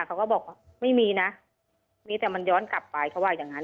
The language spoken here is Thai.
เขาก็บอกว่าไม่มีนะมีแต่มันย้อนกลับไปเขาว่าอย่างนั้น